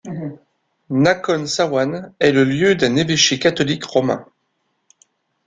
Nakhon Sawan est le lieu d'un évêché catholique romain.